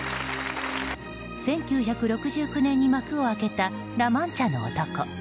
１９６９年に幕を開けた「ラ・マンチャの男」。